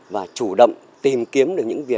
và chủ động tìm kiếm được những việc